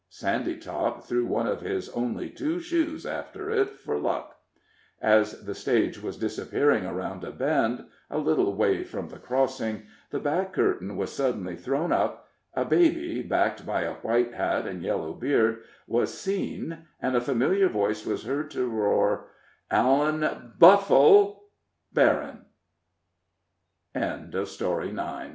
Sandytop threw one of his only two shoes after it for luck. As the stage was disappearing around a bend, a little way from the crossing, the back curtain was suddenly thrown up, a baby, backed by a white hat and yellow beard, was seen, and a familiar voice wa